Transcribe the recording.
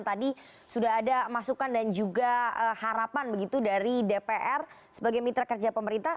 tadi sudah ada masukan dan juga harapan begitu dari dpr sebagai mitra kerja pemerintah